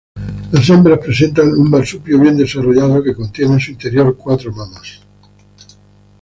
Las hembras presentan un marsupio bien desarrollado que contiene en su interior cuatro mamas.